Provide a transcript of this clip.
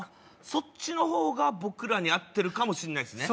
そっちの方が僕らに合ってるかもしんないっすね